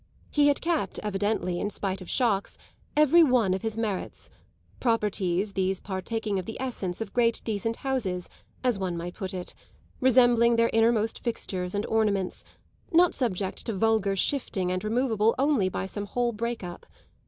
He had kept, evidently in spite of shocks, every one of his merits properties these partaking of the essence of great decent houses, as one might put it; resembling their innermost fixtures and ornaments, not subject to vulgar shifting and removable only by some whole break up.